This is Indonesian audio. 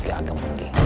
ki agam genggi